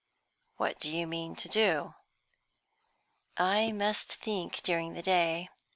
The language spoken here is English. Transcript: "But what do you mean to do?" "I must think during the day.